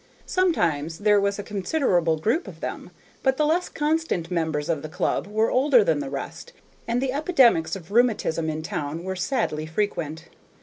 Sometimes there was a considerable group of them, but the less constant members of the club were older than the rest, and the epidemics of rheumatism in town were sadly frequent.